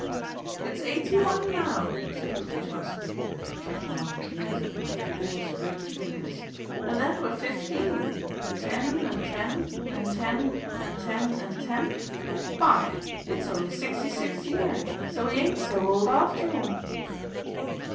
"It's eighty one now," said the original speaker, checking off the years upon her coarse red fingers, "and that were fifteen. Ten and ten, and ten, and ten, and ten why, it's only sixty and six year, so he ain't so old after all."